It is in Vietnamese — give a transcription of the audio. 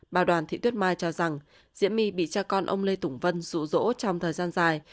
bà đoàn thị tuyết mai cho rằng diễm my bị cha con ông lê tùng vân rủ rỗ trong thời gian dài